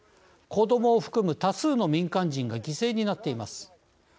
子どもを含む多数の民間人が犠牲になっています。